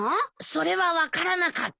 それは分からなかった。